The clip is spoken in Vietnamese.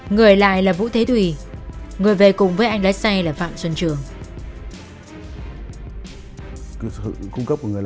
người lại là vũ thế thùy người về cùng với anh lái xe là phạm xuân trường